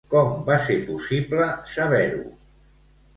Com va ser possible saber-ho?